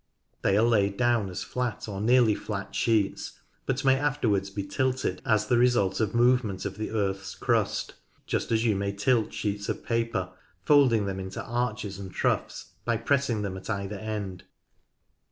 They are laid down as flat or nearly flat sheets, but may afterwards be tilted as the result of movement of the earth's crust, just as you may tilt sheets of paper, folding them into arches and troughs, by pressing them at either end.